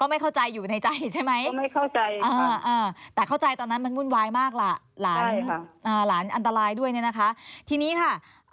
ไม่เข้าใจอยู่ในใจใช่ไหมไม่เข้าใจแต่เข้าใจตอนนั้นมันวุ่นวายมากล่ะหลานอันตรายด้วยเนี่ยนะคะทีนี้ค่ะ